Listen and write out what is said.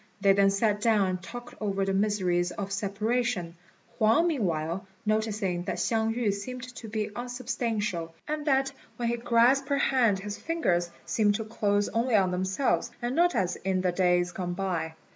They then sat down and talked over the miseries of separation, Huang meanwhile noticing that Hsiang yü seemed to be unsubstantial, and that when he grasped her hand his fingers seemed to close only on themselves, and not as in the days gone by.